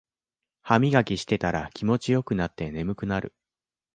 ハミガキしてたら気持ちよくなって眠くなる